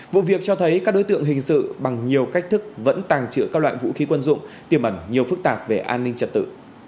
vụ việc cho thấy các đối tượng hình sự bằng nhiều cách thức vẫn tàng trữ các loại vũ khí quân dụng tiềm ẩn nhiều phức tạp về an ninh trật tự